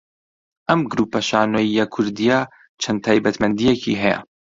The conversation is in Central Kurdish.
ئەم گروپە شانۆیییە کوردییە چەند تایبەتمەندییەکی هەیە